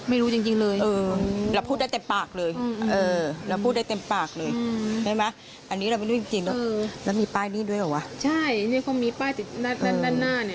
อันนี้ไม่รู้จริงนะ